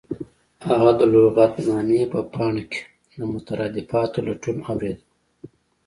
هغه د لغتنامې په پاڼو کې د مترادفاتو لټون اوریده